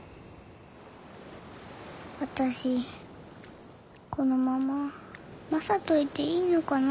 私このままマサといていいのかな？